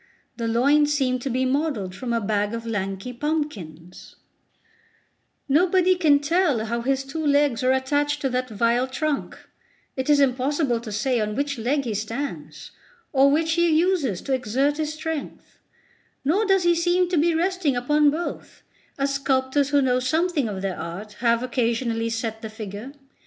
The loins seem to be modelled from a bag of lanky pumpkins; nobody can tell how his two legs are attached to that vile trunk; it is impossible to say on which leg he stands, or which he uses to exert his strength; nor does he seem to be resting upon both, as sculptors who know something of their art have occasionally set the figure.